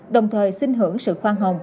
đồng thời xin hưởng sự khoan hồng